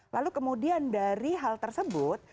lalu kemudian dari hal tersebut